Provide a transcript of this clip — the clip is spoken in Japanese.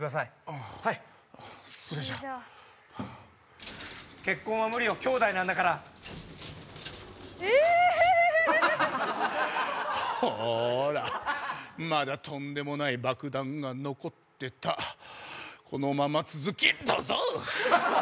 はいああそれじゃそれじゃあ結婚は無理よきょうだいなんだからほらまだとんでもない爆弾が残ってたこのまま続きどうぞ！